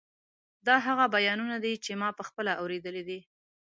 دا هغه بیانونه دي چې ما پخپله اورېدلي دي.